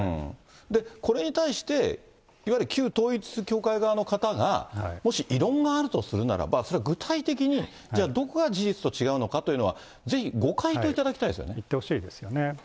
これに対して、いわゆる旧統一教会側の方がもし異論があるとするならば、それは具体的に、じゃあどこが事実と違うのかというのは、ぜひご回答いただきたい言ってほしいですよね。